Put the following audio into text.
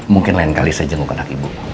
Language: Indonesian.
mungkin lain kali saya jenguk anak ibu